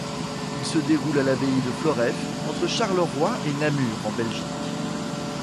Il se déroule à l'abbaye de Floreffe, entre Charleroi et Namur en Belgique.